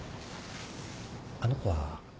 あの子は？